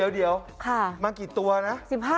เดี๋ยวมากี่ตัวนะ